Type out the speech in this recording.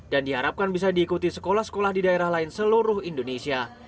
dan diharapkan bisa diikuti sekolah sekolah di daerah lain seluruh indonesia